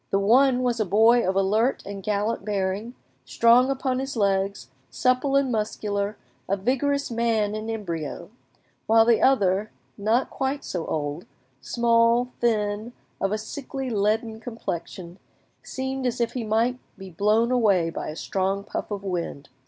The one was a boy of alert and gallant bearing, strong upon his legs, supple and muscular, a vigorous man in embryo; while the other, not quite so old, small, thin, of a sickly leaden complexion, seemed as if he might be blown away by a strong puff of wind.